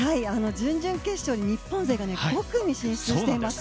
準々決勝に日本勢が５組進出しています。